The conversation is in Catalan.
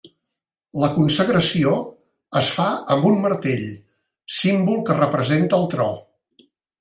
La consagració es fa amb un martell, símbol que representa el tro.